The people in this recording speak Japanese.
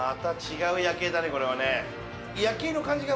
これはね。